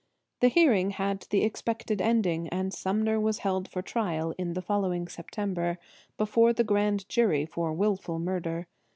The hearing had the expected ending, and Sumner was held for trial in the following September, before the grand jury for wilful murder.